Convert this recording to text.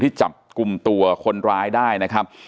จับกลุ่มตัวคนร้ายได้นะครับ